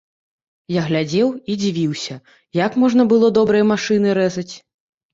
Я глядзеў і дзівіўся, як можна было добрыя машыны рэзаць.